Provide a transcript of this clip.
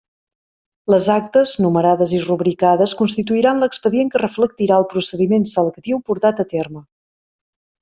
Les actes, numerades i rubricades constituiran l'expedient que reflectirà el procediment selectiu portat a terme.